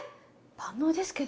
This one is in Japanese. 万能ですけど。